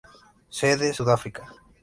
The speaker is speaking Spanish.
Sede: Sudáfrica.